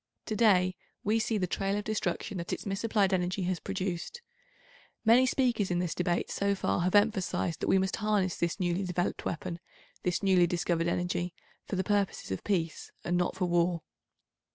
To day we see the trail of destruction that its misapplied energy has produced. Many speakers in this Debate so far have emphasised that we must harness this newly developed weapon, this newly discovered energy, for the purposes of peace and not for war.